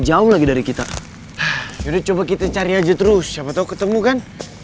yaudah coba kita cari aja terus siapa tau ketemu kan